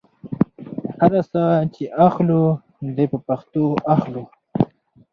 هر ساه چې اخلو دې په پښتو اخلو.